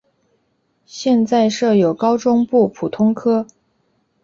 现在设有高中部普通科。